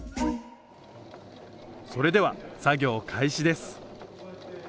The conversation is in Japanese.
それでは作業開始です。